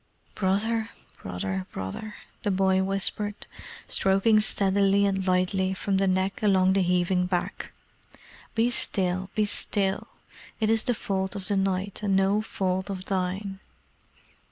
"Brother Brother Brother!" the boy whispered, stroking steadily and lightly from the neck along the heaving back. "Be still, be still! It is the fault of the night, and no fault of thine."